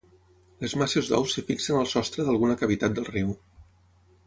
Les masses d'ous es fixen al sostre d'alguna cavitat del riu.